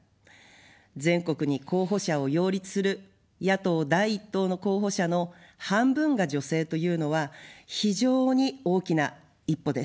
全国に候補者を擁立する野党第１党の候補者の半分が女性というのは非常に大きな一歩です。